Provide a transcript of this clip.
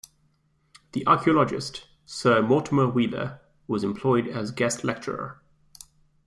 The archaeologist, Sir Mortimer Wheeler, was employed as guest lecturer.